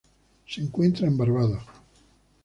Se encuentra en Barbados.